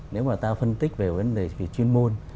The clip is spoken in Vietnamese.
nếu mà ta phân tích về vấn đề về chuyên môn